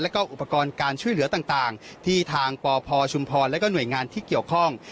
แล้วก็อุปกรณ์การช่วยเหลือต่างที่ทางปพชุมพรและหน่วยงานที่เกี่ยวข้อง